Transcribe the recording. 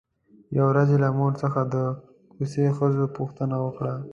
يوه ورځ يې له مور څخه د کوڅې ښځو پوښتنه وکړه.